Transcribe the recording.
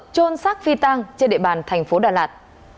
trôn xác phi tăng trên địa bàn thành phố đà lạt